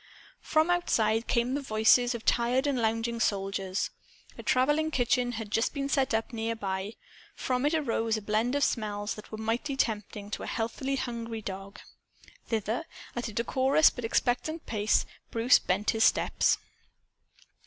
From outside came the voices of tired and lounging soldiers. A traveling kitchen had just been set up near by. From it arose a blend of smells that were mighty tempting to a healthily hungry dog. Thither, at a decorous but expectant pace, Bruce bent his steps.